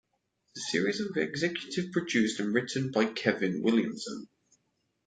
The series is executive produced and written by Kevin Williamson.